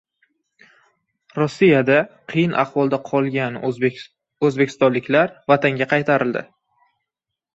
Rossiyada qiyin ahvolda qolgan o‘zbekistonliklar vatanga qaytarildi